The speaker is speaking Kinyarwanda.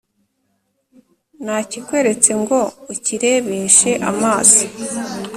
nakikweretse ngo ukirebeshe amaso